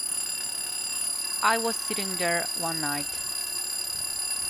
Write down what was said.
I was sitting there one night.